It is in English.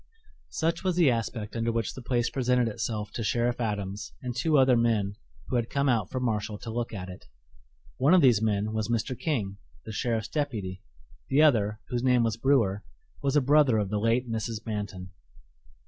Such was the aspect under which the place presented itself to Sheriff Adams and two other men who had come out from Marshall to look at it. One of these men was Mr. King, the sheriff's deputy; the other, whose name was Brewer, was a brother of the late Mrs. Manton.